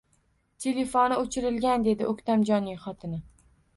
Telefoni o`chirilgan, dedi O`ktamjonning xotini